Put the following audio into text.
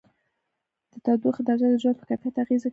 د تودوخې درجه د ژوند په کیفیت اغېزه کوي.